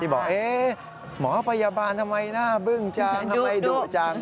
บอกหมอพยาบาลทำไมหน้าบึ้งจังทำไมดุจัง